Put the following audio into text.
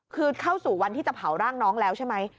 คือเข้าสู่วันที่จะเผาร่างน้องแล้วใช่ไหม